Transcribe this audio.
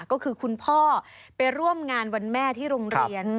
ก็คือคุณพ่อไปร่วมงานวันแม่ที่โรงเรียน